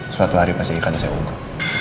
suatu hari pasti ikan saya ungkap